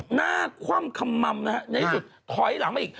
หน้าคว่ำคำม่ำนะฮะในที่สุดขอยหลังมาอีก